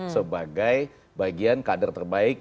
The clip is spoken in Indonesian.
sebagai bagian kader terbaik